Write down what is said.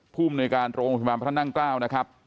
ภูมิในการโรงพยาบาลพระนั่งเกล้านะครับ